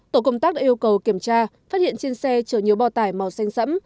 tổ công tác đã yêu cầu kiểm tra phát hiện trên xe chở nhiều bao tải màu xanh sẫm